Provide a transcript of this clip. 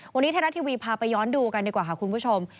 วันนี้ไทยรัฐทีวีพาไปย้อนดูกันดีกว่าค่ะคุณผู้ชม